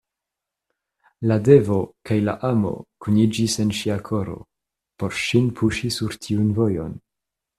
La devo kaj la amo kuniĝis en ŝia koro por ŝin puŝi sur tiun vojon.